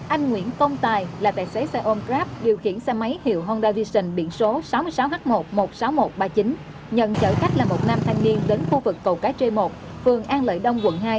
anh nguyễn công tài là tài xế xe ôm grab điều khiển xe máy hiệu honda vision biển số sáu mươi sáu h một một mươi sáu nghìn một trăm ba mươi chín nhận chở khách là một nam thanh niên đến khu vực cầu cái trê một phường an lợi đông quận hai